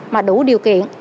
mà đủ điều kiện